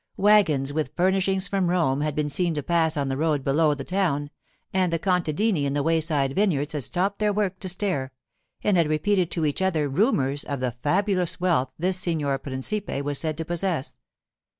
Wagons with furnishings from Rome had been seen to pass on the road below the town, and the contadini in the wayside vineyards had stopped their work to stare, and had repeated to each other rumours of the fabulous wealth this signor principe was said to possess.